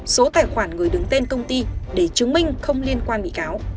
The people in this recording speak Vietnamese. số tài khoản người đứng tên công ty để chứng minh không liên quan bị cáo